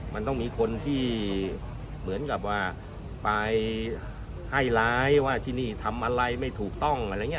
มันต้องมีคนที่เหมือนกับว่าไปให้ร้ายว่าที่นี่ทำอะไรไม่ถูกต้องอะไรอย่างนี้